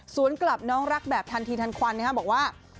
กลับน้องรักแบบทันทีทันควันนะครับบอกว่า